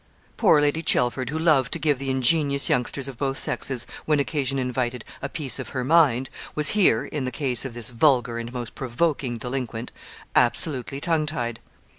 Poor Lady Chelford, who loved to give the ingenious youngsters of both sexes, when occasion invited, a piece of her mind, was here in the case of this vulgar and most provoking delinquent absolutely tongue tied!